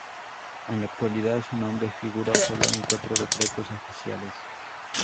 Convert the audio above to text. En la actualidad, su nombre figura solo en cuatro decretos oficiales.